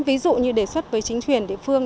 ví dụ như đề xuất với chính quyền địa phương